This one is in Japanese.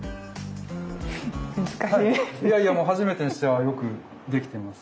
いやいやもう初めてにしてはよくできてます。